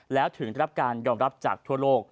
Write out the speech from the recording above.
แล้วถึงได้รับการยอมรับจากทั่วโลก